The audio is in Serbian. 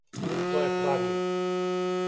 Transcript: То је правио.